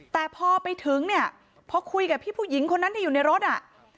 แต่พอไปถึงเนี่ยพอคุยกับพี่ผู้หญิงคนนั้นที่อยู่ในรถอ่ะ